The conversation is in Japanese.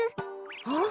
あっ！